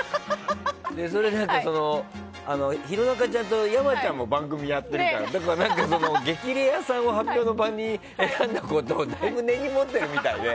それで弘中ちゃんと山ちゃんも番組やってるからだから「激レアさん」を発表の場に選んだことを根に持っているみたいで。